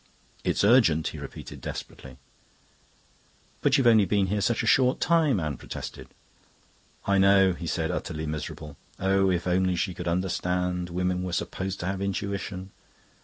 "It's urgent," he repeated desperately. "But you've only been here such a short time," Anne protested. "I know," he said, utterly miserable. Oh, if only she could understand! Women were supposed to have intuition.